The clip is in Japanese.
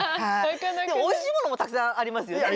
でもおいしいものもたくさんありますよね。